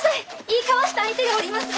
言い交わした相手がおります。